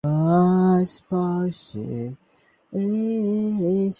তিনি বললেন, তোমাকে বাইরের দরকার থাকতে পারে।